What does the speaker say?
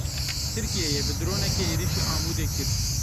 Tirkiyeyê bi dronekê êrişî Amûdê kir.